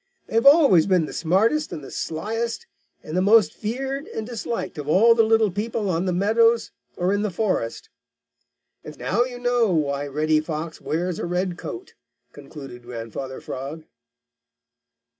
They have always been the smartest and the sliest and the most feared and disliked of all the little people on the meadows or in the forest. And now you know why Reddy Fox wears a red coat," concluded Grandfather Frog.